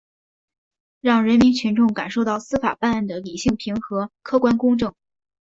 让人民群众感受到司法办案的理性平和、客观公正